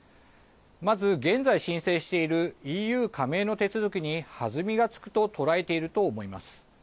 まず現在、申請しているＥＵ加盟の手続きに弾みがつくと捉えていると思います。